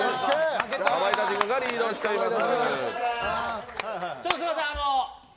かまいたち軍がリードしています。